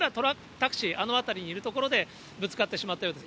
タクシー、あの辺りにいるところでぶつかってしまったようです。